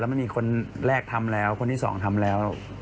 มันมีคนแรกทำแล้วคนที่สองทำแล้ว